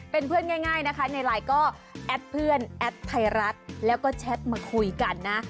เป็นเพื่อนง่ายนะคะในไลน์ก็แอดเพื่อนแอดไทยรัฐแล้วก็แชทมาคุยกันนะ